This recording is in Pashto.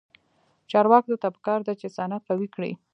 چارواکو ته پکار ده چې، صنعت قوي کړي.